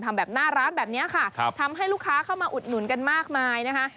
ทำแบบหน้าร้านแบบนี้ค่ะครับทำให้ลูกค้าเข้ามาอุดหนุนกันมากมายนะคะ